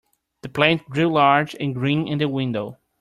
The plant grew large and green in the window.